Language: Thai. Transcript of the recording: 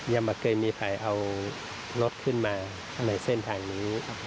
ยังไม่เคยมีใครเอารถขึ้นมาในเส้นทางนี้